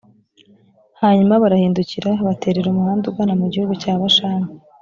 hanyuma, barahindukira baterera umuhanda ugana mu gihugu cya bashani.